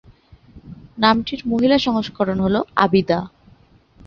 নামটির মহিলা সংস্করণ হলো আবিদা।